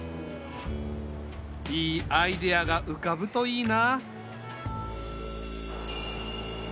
いいアイデアがうかぶといいな。